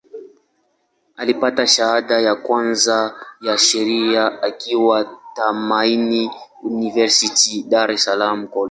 Alipata shahada ya kwanza ya Sheria akiwa Tumaini University, Dar es Salaam College.